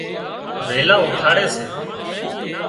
ويلان اُوٺاڙي سي